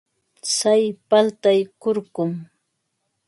Tsay paltay kurkum.